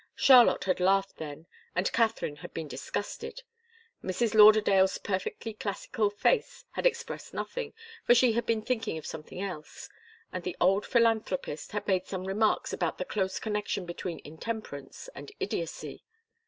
Charlotte had laughed then, and Katharine had been disgusted. Mrs. Lauderdale's perfectly classical face had expressed nothing, for she had been thinking of something else, and the old philanthropist had made some remarks about the close connection between intemperance and idiocy.